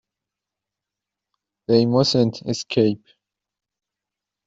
They mustn't escape.